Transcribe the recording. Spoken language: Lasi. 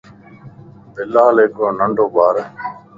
بلال ھڪڙو ننڍو ٻار